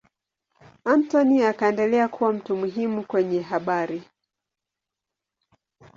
Anthony akaendelea kuwa mtu muhimu kwenye habari.